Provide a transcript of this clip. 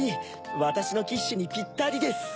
わたしのキッシュにぴったりです。